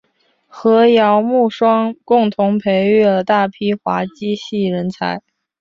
和姚慕双共同培育了大批滑稽戏人才。